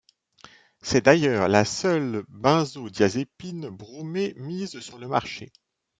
C'est d'ailleurs la seule benzodiazépine bromée mise sur le marché.